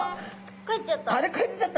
帰っちゃった。